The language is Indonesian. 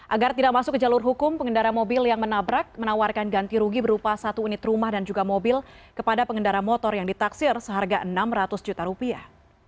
agar tidak masuk ke jalur hukum pengendara mobil yang menabrak menawarkan ganti rugi berupa satu unit rumah dan juga mobil kepada pengendara motor yang ditaksir seharga enam ratus juta rupiah